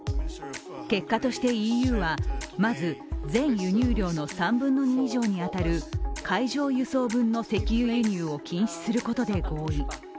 結果としてＥＵは、まず全輸入量の３分の２以上に当たる海上輸送分の石油輸入を禁止することで合意。